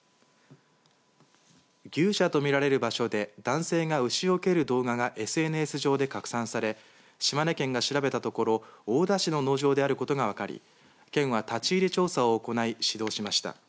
牛舎とみられる場所で男性が牛を蹴る動画がＳＮＳ上で拡散され島根県が調べたところ大田市の農場であることが分かり県は立ち入り調査を行い指導しました。